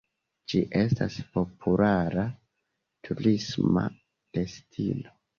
Ĝi estas populara turisma destino.